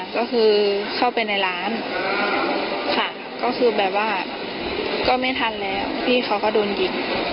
ก็คือเข้าไปร้านก็ว่าก็ไม่ทันแล้วที่เค้าก็โดนยิง